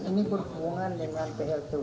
ini berhubungan dengan pltu